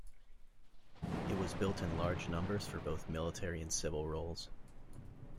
It was built in large numbers for both military and civil roles.